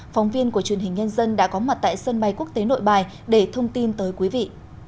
phóng viên của truyền hình nhân dân đã có mặt tại sân bay quốc tế nội bài để thông tin tới quý vị